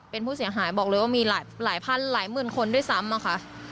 เป็นผู้เสียหายบอกเลยว่ามีหลายพันหลายหมื่นคนด้วยซ้ำอะค่ะ